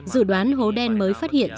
dự đoán hố đen mới phát hiện